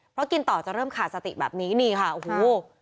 เพราะกินต่อจะเริ่มขาดสติแบบนี้นี่ค่ะโอ้โห